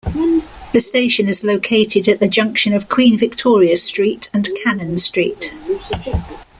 The station is located at the junction of Queen Victoria Street and Cannon Street.